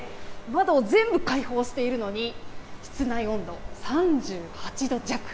窓を全部開放しているのに室内温度は３８度弱。